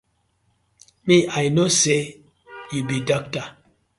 Mi I no say yu bi dokta.